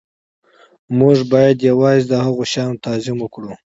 موږ باید یوازې د هغو شیانو تعظیم وکړو